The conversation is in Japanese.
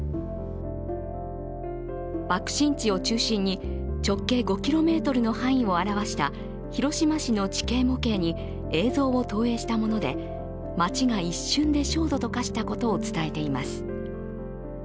爆心地を中心に直径５ｋｍの範囲を表した広島市の地形模型に映像を投影したもので、町が一瞬で焦土と化したことを伝えています。